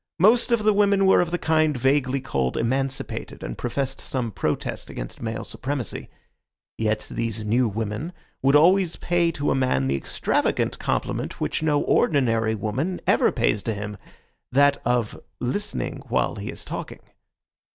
Most of the women were of the kind vaguely called emancipated, and professed some protest against male supremacy. Yet these new women would always pay to a man the extravagant compliment which no ordinary woman ever pays to him, that of listening while he is talking.